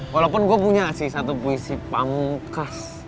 walaupun gue punya sih satu puisi pamungkas